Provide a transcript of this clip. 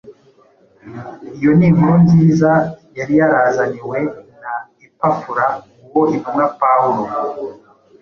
Iyo ni inkuru nziza yari yarazaniwe na Epafura uwo intumwa Pawulo